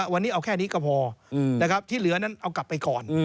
วันนี้เอาแค่นี้ก็พอที่เหลือนั้นเอากลับไปก่อน